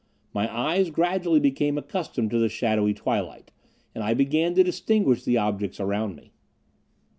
My eyes gradually became accustomed to the shadowy twilight, and I began to distinguish the objects around me.